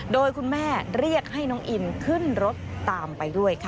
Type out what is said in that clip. โดยคุณแม่เรียกให้น้องอินขึ้นรถตามไปด้วยค่ะ